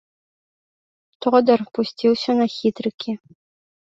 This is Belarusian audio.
Тодар пусціўся на хітрыкі.